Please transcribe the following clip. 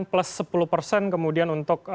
plus sepuluh persen kemudian untuk